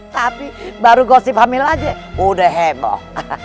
tapi baru gosip hamil aja udah heboh